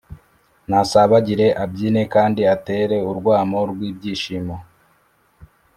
nasabagire, abyine kandi atere urwamo rw’ibyishimo.